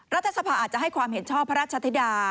รัฐสภาอาจจะให้ความเห็นชอบพระราชธิดา